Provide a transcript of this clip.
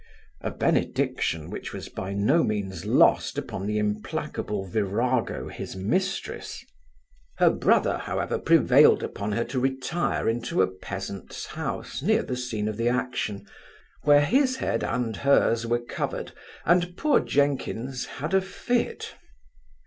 A benediction, which was by no means lost upon the implacable virago his mistress Her brother, however, prevailed upon her to retire into a peasant's house, near the scene of action, where his head and hers were covered, and poor Jenkins had a fit.